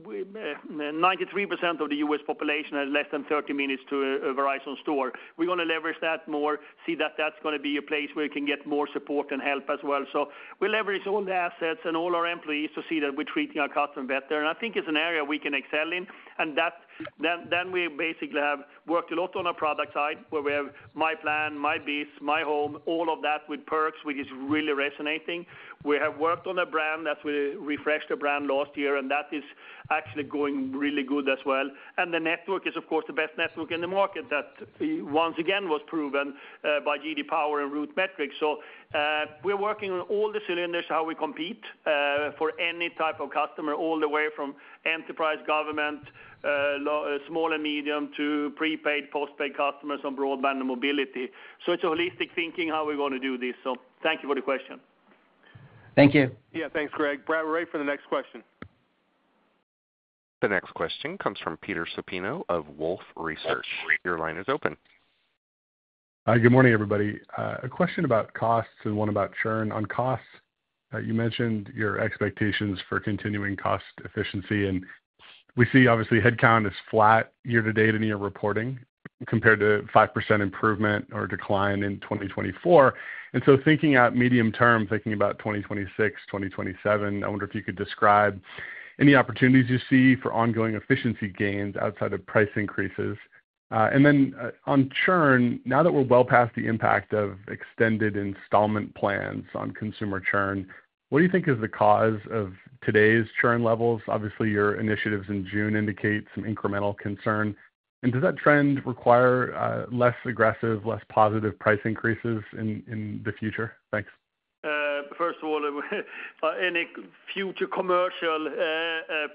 93% of the U.S. population has less than 30 minutes to a Verizon store. We're going to leverage that more, see that that's going to be a place where we can get more support and help as well. We leverage all the assets and all our employees to see that we're treating our customer better. I think it's an area we can excel in. We basically have worked a lot on our product side, where we have My Plan, My Biz, My Home, all of that with Perks, which is really resonating. We have worked on the brand. That's where we refreshed the brand last year, and that is actually going really good as well. The network is, of course, the best network in the market that once again was proven by J.D. Power and RootMetrics. We're working on all the cylinders, how we compete for any type of customer, all the way from enterprise, government, small and medium, to prepaid, postpaid customers on broadband and mobility. It's a holistic thinking how we're going to do this. Thank you for the question. Thank you. Yeah. Thanks, Greg. Brad ready for the next question. The next question comes from Peter Supino of Wolfe Research. Your line is open. Hi. Good morning, everybody. A question about costs and one about Churn. On costs, you mentioned your expectations for continuing cost efficiency, and we see, obviously, headcount is flat year to date in your reporting compared to 5% improvement or decline in 2024. Thinking at medium term, thinking about 2026, 2027, I wonder if you could describe any opportunities you see for ongoing efficiency gains outside of price increases. On Churn, now that we're well past the impact of extended installment plans on Consumer Churn, what do you think is the cause of today's Churn levels? Obviously, your initiatives in June indicate some incremental concern. Does that trend require less aggressive, less positive price increases in the future? Thanks. First of all, any future commercial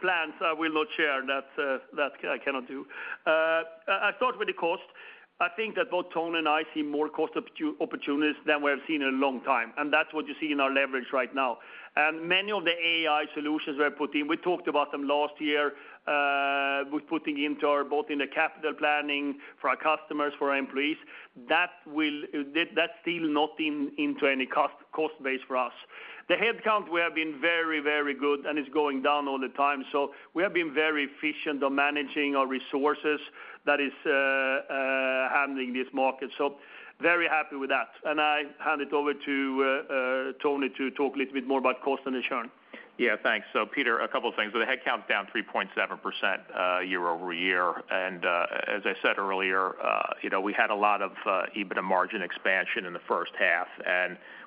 plans, I will not share. That I cannot do. I start with the cost. I think that both Tony and I see more cost opportunities than we have seen in a long time. That is what you see in our leverage right now. Many of the AI solutions we are putting in, we talked about them last year. We are putting into our both in the capital planning for our customers, for our employees. That is still not into any cost base for us. The headcount, we have been very, very good, and it is going down all the time. We have been very efficient on managing our resources, that is. Handling this market. Very happy with that. I hand it over to Tony to talk a little bit more about cost and the Churn. Yeah. Thanks. Peter, a couple of things. The headcount is down 3.7% year over year. As I said earlier, we had a lot of EBITDA Margin expansion in the first half.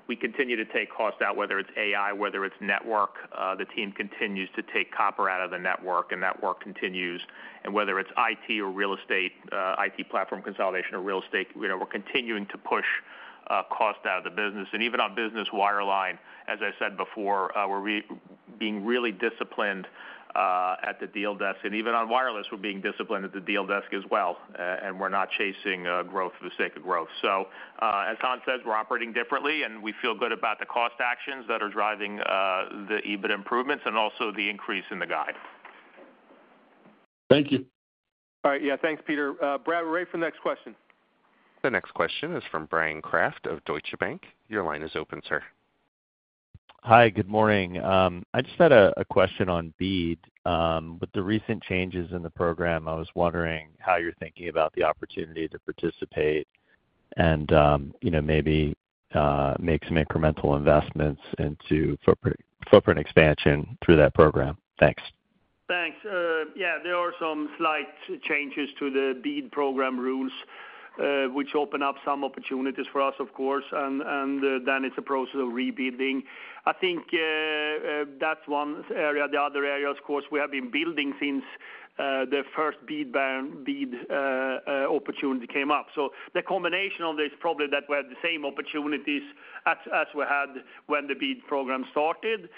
We continue to take cost out, whether it is AI, whether it is network. The team continues to take copper out of the network, and network continues. Whether it is IT or real estate, IT platform consolidation or real estate, we are continuing to push cost out of the business. Even on business wireline, as I said before, we are being really disciplined at the deal desk. Even on wireless, we are being disciplined at the deal desk as well. We are not chasing growth for the sake of growth. As Tom says, we are operating differently, and we feel good about the cost actions that are driving the EBITDA improvements and also the increase in the guide. Thank you. All right. Yeah. Thanks, Peter. Brad ready for the next question. The next question is from Bryan Kraft of Deutsche Bank. Your line is open, sir. Hi. Good morning. I just had a question on BEAD. With the recent changes in the program, I was wondering how you are thinking about the opportunity to participate and maybe make some incremental investments into footprint expansion through that program. Thanks. Thanks. Yeah. There are some slight changes to the BEAD program rules, which open up some opportunities for us, of course. Then it is a process of rebuilding. I think that is one area. The other area, of course, we have been building since the first BEAD opportunity came up. The combination of this probably means that we have the same opportunities as we had when the BEAD program started.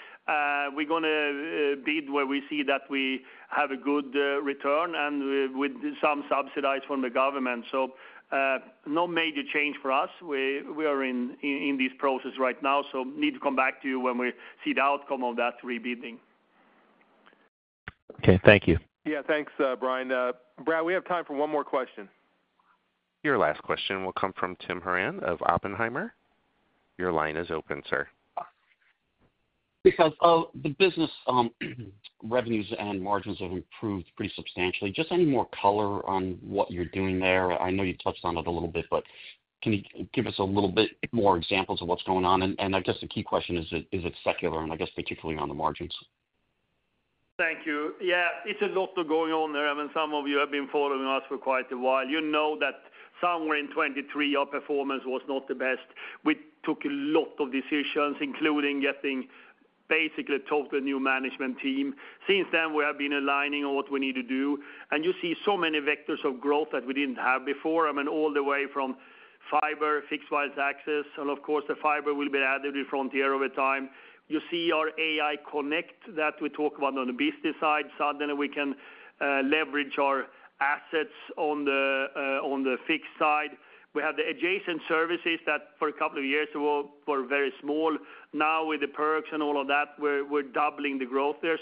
We are going to bid where we see that we have a good return and with some subsidized from the government. No major change for us. We are in this process right now. Need to come back to you when we see the outcome of that rebuilding. Okay. Thank you. Yeah. Thanks, Bryan. Brad, we have time for one more question. Your last question will come from Tim Horan of Oppenheimer. Your line is open, sir. Because the business revenues and margins have improved pretty substantially. Just any more color on what you're doing there? I know you touched on it a little bit, but can you give us a little bit more examples of what's going on? I guess the key question is, is it secular? I guess particularly on the margins? Thank you. Yeah. It's a lot going on there. I mean, some of you have been following us for quite a while. You know that somewhere in 2023, our performance was not the best. We took a lot of decisions, including getting basically a total new management team. Since then, we have been aligning on what we need to do. You see so many vectors of growth that we didn't have before. I mean, all the way from fiber, Fixed Wireless Access, and of course, the fiber will be added to the Frontier over time. You see our AI Connect that we talk about on the business side. Suddenly, we can leverage our assets on the fixed side. We have the adjacent services that for a couple of years ago were very small. Now, with the Perks and all of that, we're doubling the growth there.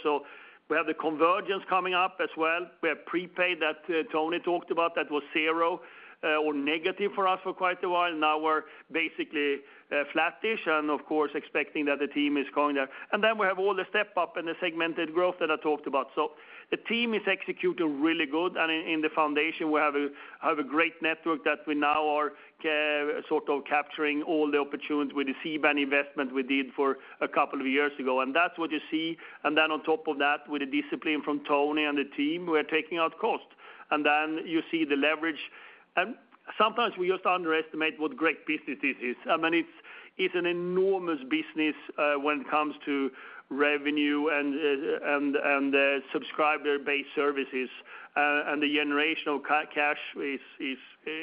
We have the convergence coming up as well. We have prepaid that Tony talked about. That was zero or negative for us for quite a while. Now we're basically flattish and, of course, expecting that the team is going there. We have all the step-up and the segmented growth that I talked about. The team is executing really good. In the foundation, we have a great network that we now are sort of capturing all the opportunities with the C-band investment we did a couple of years ago. That's what you see. On top of that, with the discipline from Tony and the team, we're taking out cost. You see the leverage. Sometimes we just underestimate what great business this is. I mean, it's an enormous business when it comes to revenue and subscriber-based services. The generation of cash is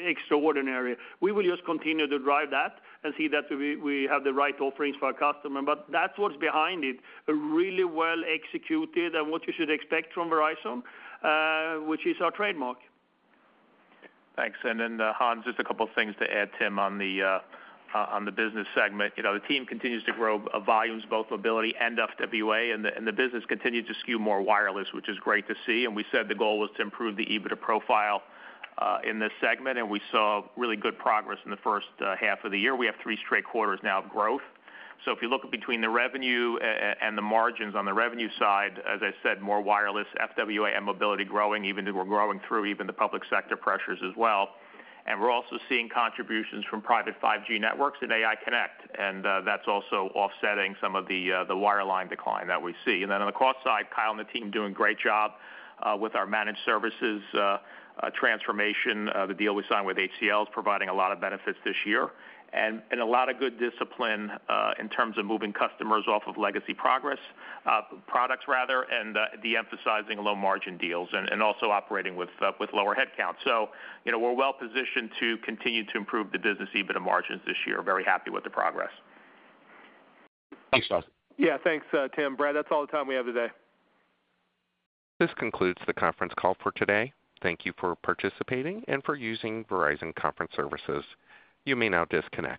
extraordinary. We will just continue to drive that and see that we have the right offerings for our customer. That's what's behind it. Really well executed and what you should expect from Verizon, which is our trademark. Thanks. Hans, just a couple of things to add, Tim, on the business segment. The team continues to grow volumes, both mobility and FWA, and the business continues to skew more wireless, which is great to see. We said the goal was to improve the EBITDA profile in this segment, and we saw really good progress in the first half of the year. We have three straight quarters now of growth. If you look between the revenue and the margins on the revenue side, as I said, more wireless, FWA, and mobility growing, even though we're growing through even the public sector pressures as well. We're also seeing contributions from Private 5G networks and AI Connect. That's also offsetting some of the wireline decline that we see. On the cost side, Kyle and the team are doing a great job with our managed services. The transformation, the deal we signed with HCL, is providing a lot of benefits this year. There is a lot of good discipline in terms of moving customers off of legacy products and de-emphasizing low margin deals and also operating with lower headcount. We're well positioned to continue to improve the business EBITDA Margins this year. Very happy with the progress. Thanks, guys. Yeah. Thanks, Tim. Brad, that's all the time we have today. This concludes the conference call for today. Thank you for participating and for using Verizon Conference Services. You may now disconnect.